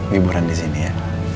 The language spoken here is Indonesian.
wiburan di sini ya